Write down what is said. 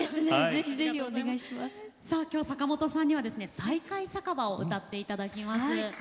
坂本さんには「再会酒場」を歌っていただきます。